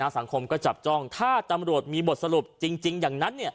สังคมก็จับจ้องถ้าตำรวจมีบทสรุปจริงอย่างนั้น